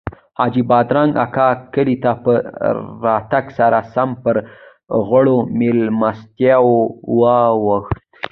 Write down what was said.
حاجي بادرنګ اکا کلي ته په راتګ سره سم پر غوړو میلمستیاوو واوښت.